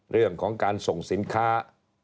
เรื่องของการส่งสินค้า